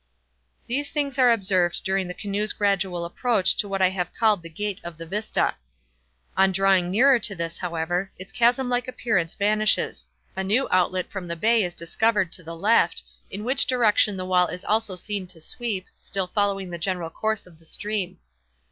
These things are observed during the canoe's gradual approach to what I have called the gate of the vista. On drawing nearer to this, however, its chasm like appearance vanishes; a new outlet from the bay is discovered to the left—in which direction the wall is also seen to sweep, still following the general course of the stream.